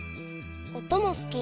おともすき。